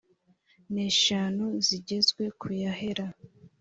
n eshanu zigezwe ku y ahera